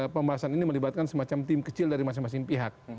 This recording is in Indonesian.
pembahasan ini melibatkan semacam tim kecil dari masing masing pihak